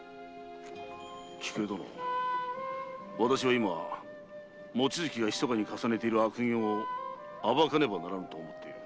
菊絵殿私は今望月がひそかに重ねている悪行を暴かねばならぬと思っている。